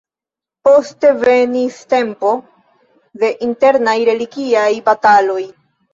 Poste venis tempo de internaj religiaj bataloj.